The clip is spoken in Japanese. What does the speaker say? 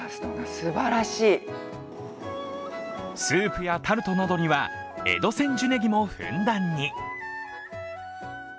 スープやタルトなどには江戸千住葱もふんだんに。